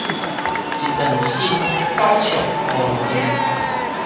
一丈身，九尺無路用